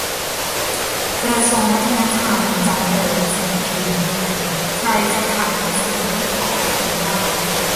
กระทรวงวัฒนธรรม 'จัดเรต' สิ่งพิมพ์ ใครจะขายหนังสือต้องขอใบอนุญาต